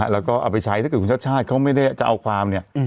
แล้วก็เอาไปใช้ถ้าเกิดคุณชาติชาติเขาไม่ได้จะเอาความเนี่ย